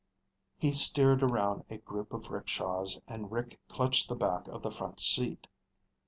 He steered around a group of rickshaws and Rick clutched the back of the front seat.